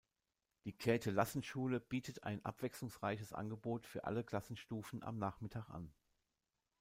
Die Käte-Lassen-Schule bietet ein abwechslungsreiches Angebot für alle Klassenstufen am Nachmittag an.